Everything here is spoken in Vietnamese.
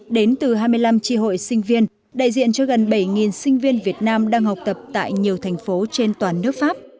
đến từ hai mươi năm tri hội sinh viên đại diện cho gần bảy sinh viên việt nam đang học tập tại nhiều thành phố trên toàn nước pháp